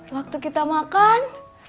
waktu kita makan